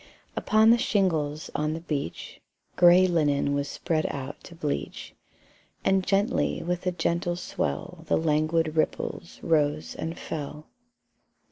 Upon the shingles on the beach Grey linen was spread out to bleach, And gently with a gentle swell The languid ripples rose and fell.